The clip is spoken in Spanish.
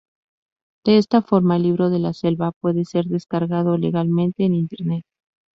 De esta forma, "El libro de la selva" puede ser descargado legalmente en Internet.